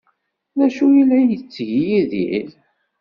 D acu ay la yettett Yidir?